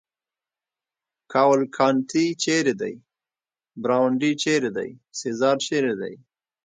کاوالکانتي چېرې دی؟ برونډي چېرې دی؟ سزار چېرې دی؟